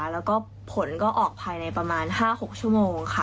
แล้วก็ผลก็ออกภายในประมาณ๕๖ชั่วโมงค่ะ